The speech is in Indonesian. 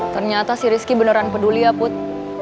ternyata si rizky beneran peduli ya put